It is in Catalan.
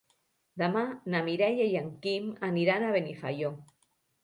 Demà na Mireia i en Quim aniran a Benifaió.